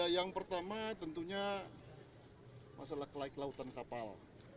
yang pertama tentunya masalah kelaik lautan kapal